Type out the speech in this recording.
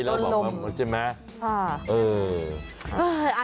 เดินลมใช่ไหมอ่าเออ